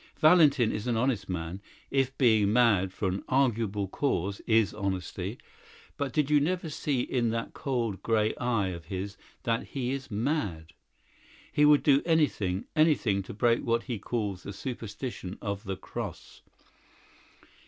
Valentin is an honest man, if being mad for an arguable cause is honesty. But did you never see in that cold, grey eye of his that he is mad! He would do anything, anything, to break what he calls the superstition of the Cross.